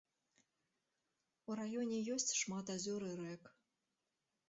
У раёне ёсць шмат азёр і рэк.